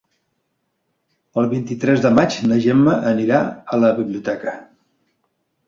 El vint-i-tres de maig na Gemma anirà a la biblioteca.